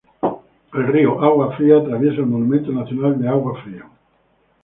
El río Agua Fría atraviesa el Monumento Nacional de Agua Fría.